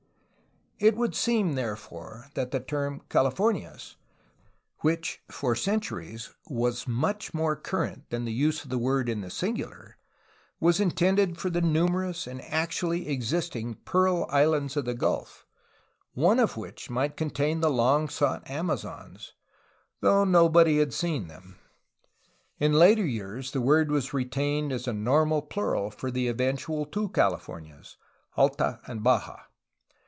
It would seem, therefore, that the term *' Calif omias," which for centuries was much more current than the use of the word in the singular, was intended for the numerous and actually existing pearl islands of the gulf, one of which might contain the long sought Amazons, though nobody had seen them. In later years the word was retained as a normal plural for the eventual tw^o Calif ornias, Alta and Baja.